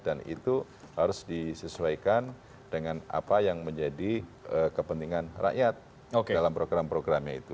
dan itu harus disesuaikan dengan apa yang menjadi kepentingan rakyat dalam program programnya itu